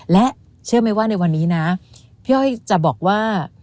และเชื่อไหมว่าในวันนี้นะพี่อ้อยจะบอกว่า